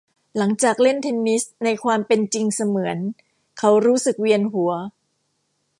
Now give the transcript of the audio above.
หลังจากเล่นเทนนิสในความเป็นจริงเสมือนเขารู้สึกเวียนหัว